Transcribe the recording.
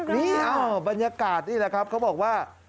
นี่บรรยากาศนี่แหละครับเขาบอกว่า